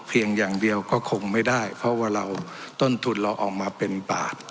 อย่างเดียวก็คงไม่ได้เพราะว่าเราต้นทุนเราออกมาเป็นบาท